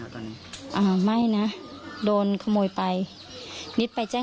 ค่ะค่ะค่ะค่ะค่ะค่ะค่ะ